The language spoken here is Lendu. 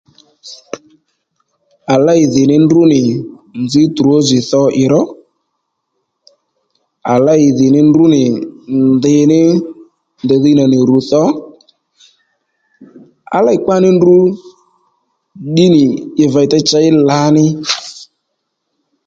À lêy dhì ní ndrǔ nì nzǐ trozi tho ì ró à lêy dhì ní ndrǔ nì ndi ní ndèy dhiy nà nì ru tho à lêy kpa ní ndrǔ ddí nì ì vèytey chey lǎ ní